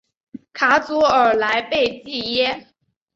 卡祖尔莱贝济耶。